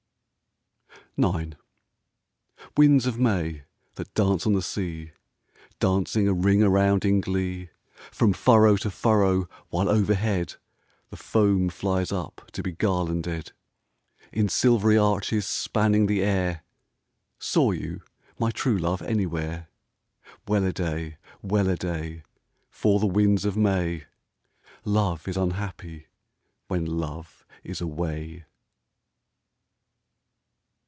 IX Winds of May, that dance on the sea, Dancing a ring around in glee From furrow to furrow, while overhead The foam flies up to be garlanded, In silvery arches spanning the air, Saw you my true love anywhere ? Welladay ! Welladay ! For the winds of May ! Love is unhappy when love is away